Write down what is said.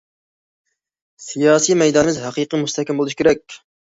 سىياسىي مەيدانىمىز ھەقىقىي مۇستەھكەم بولۇشى كېرەك.